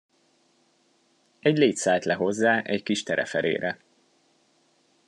Egy légy szállt le hozzá egy kis tereferére.